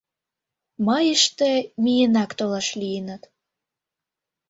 Майыште миенак толаш лийыныт.